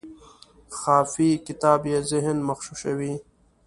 خافي کتاب یې ذهن مغشوشوي.